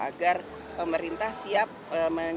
agar pemerintah siap